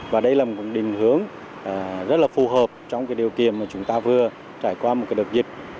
và đây là một định hướng rất là phù hợp trong điều kiện mà chúng ta vừa trải qua một đợt dịch